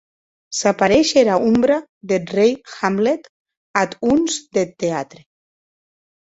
S’apareish era ombra deth rei Hamlet ath hons deth teatre.